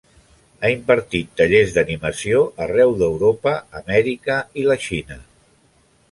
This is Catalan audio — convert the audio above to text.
Ha impartit tallers d'animació arreu d'Europa, Amèrica i la Xina.